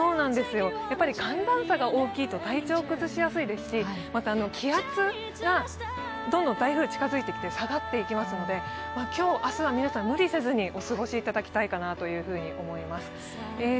やっぱり寒暖差が大きいと体調を崩しやすいですし気圧が、どんどん台風が近づいてきて下がっていきますので今日、明日は皆さん無理せずにお過ごしいただきたいかなと思います。